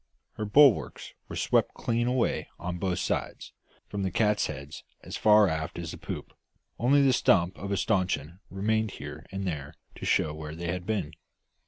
Her bulwarks were swept clean away on both sides, from the catheads as far aft as the poop, only the stump of a staunchion remaining here and there to show where they had been.